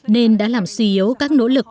nên đã làm suy yếu các nỗ lực